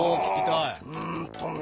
うんとね